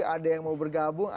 ada yang mau bergabung